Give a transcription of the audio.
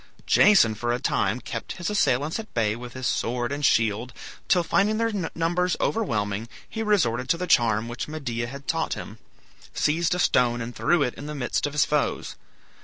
Jason for a time kept his assailants at bay with his sword and shield, till, finding their numbers overwhelming, he resorted to the charm which Medea had taught him, seized a stone and threw it in the midst of his foes.